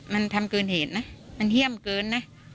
มันทำเกินเหตุนะมันเยี่ยมเกินนะ